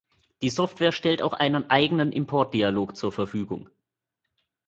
Die Software stellt auch einen eigenen Import-Dialog zur Verfügung.